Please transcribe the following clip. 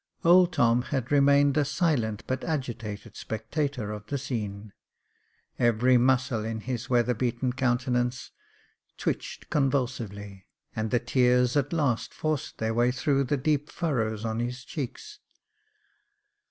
Old Tom had remained a silent but agitated spectator of the scene. Every muscle in his weather beaten countenance twitched convulsively, and the tears at last forced their way through the deep furrows on his cheeks.